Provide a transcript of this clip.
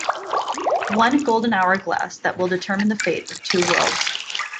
One Golden Hourglass that will determine the fate of two worlds.